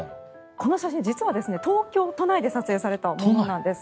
この写真実は東京都内で撮影されたものなんです。